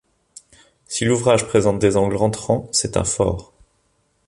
Si l’ouvrage présente des angles rentrants, c’est un fort.